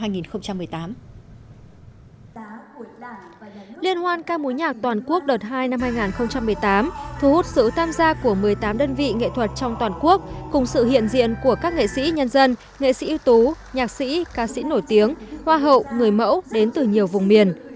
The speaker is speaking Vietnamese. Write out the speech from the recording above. liên hoan ca mối nhạc toàn quốc đợt hai năm hai nghìn một mươi tám thu hút sự tham gia của một mươi tám đơn vị nghệ thuật trong toàn quốc cùng sự hiện diện của các nghệ sĩ nhân dân nghệ sĩ ưu tú nhạc sĩ ca sĩ nổi tiếng hoa hậu người mẫu đến từ nhiều vùng miền